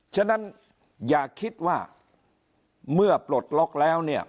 ฉะนั้นอย่าคิดว่าเมื่อปลดล็อกแล้วเนี่ย